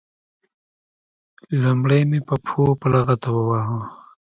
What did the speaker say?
لومړی مې په پښو په لغته وواهه.